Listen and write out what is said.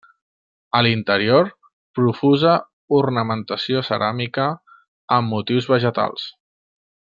A l'interior, profusa ornamentació ceràmica, amb motius vegetals.